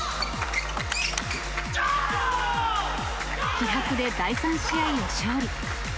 気迫で第３試合を勝利。